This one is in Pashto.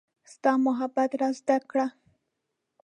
ستا محبت را زده کړه